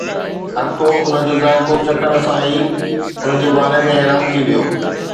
هر ڪو ان جو ذائقو چکڻ سان ئي ان جي باري ۾ حيران ٿي ويو